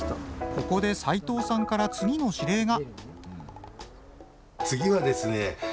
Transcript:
ここで斉藤さんから次の指令が。